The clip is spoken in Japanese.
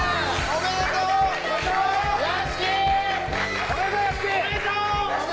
おめでとうございます。